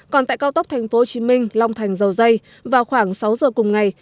còn tại cao tốc tp hcm long thành dầu dây vào khoảng sáu giờ cùng ngày